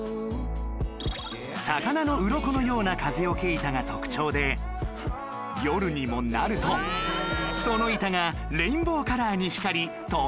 魚のうろこのような風よけ板が特徴で夜にもなるとその板がレインボーカラーに光りとても幻想的